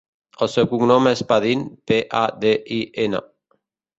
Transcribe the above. El seu cognom és Padin: pe, a, de, i, ena.